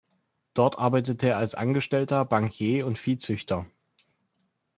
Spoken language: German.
Dort arbeitete er als Angestellter, Bankier und Viehzüchter.